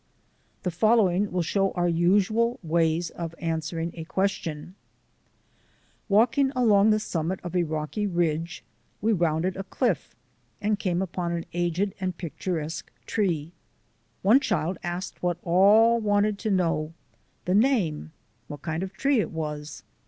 The following will show our usual way of answering a question : Walking along the summit of a rocky ridge, we rounded a cliff and came upon an aged and pic turesque tree. One child asked what all wanted to know, the name — what kind of tree it was.